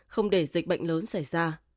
không để dịch bệnh lớn xảy ra